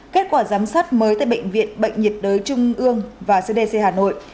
kết quả giám sát mới tại bệnh viện bệnh nhiệt đới trung ương và cdc hà nội